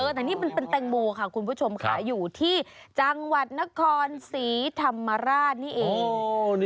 แต่นี่มันเป็นแตงโมค่ะคุณผู้ชมค่ะอยู่ที่จังหวัดนครศรีธรรมราชนี่เอง